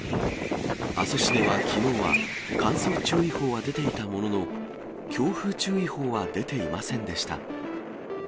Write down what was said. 阿蘇市ではきのうは、乾燥注意報は出ていたものの、強風注意報は出ていませんでした。